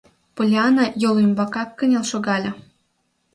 Поллианна йол ӱмбакак кынел шогале.